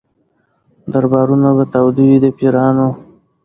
دربارونه به تاوده وي د پیرانو